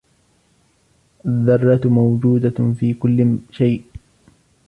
الذرات موجودة في كل شيء.